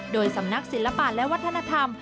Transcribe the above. โดยสำนักศิลปะและวัฒนธรรม